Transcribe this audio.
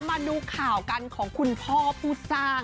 มาดูข่าวกันของคุณพ่อผู้สร้าง